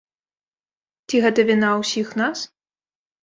Ці гэта віна ўсіх нас?